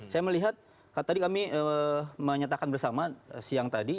saya melihat tadi kami menyatakan bersama siang tadi